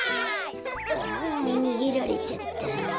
ああにげられちゃった。